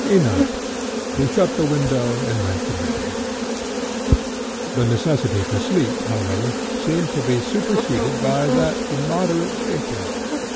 Enough; he shut the window, and went to bed. The necessity for sleep, however, seemed to be superseded by that immoderate gaping.